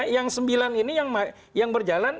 yang sembilan ini yang berjalan